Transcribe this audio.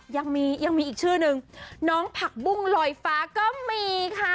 ยังมียังมีอีกชื่อนึงน้องผักบุ้งลอยฟ้าก็มีค่ะ